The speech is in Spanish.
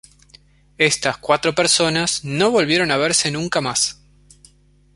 Estas cuatro personas no volvieron a verse nunca más.